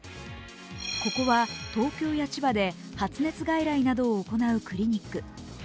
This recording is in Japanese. ここは、東京や千葉で発熱外来などを行うクリニック。